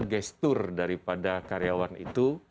gestur daripada karyawan itu